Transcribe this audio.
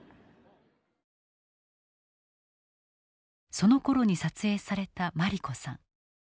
そのころに撮影された茉莉子さん。